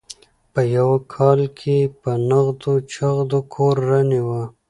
په یوه کال کې یې په نغدو چغدو کور رانیوه.